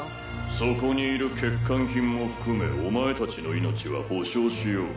「そこにいる欠陥品も含めお前たちの命は保証しよう」